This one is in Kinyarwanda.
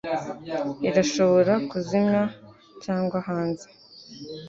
irashobora kuzimya cyangwa hanze